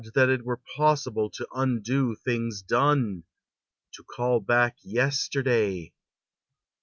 that it were possible To undo things done; to call back yesterday!